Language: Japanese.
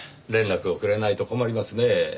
連絡をくれないと困りますねぇ。